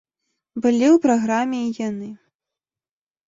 Былі ў праграме і яны.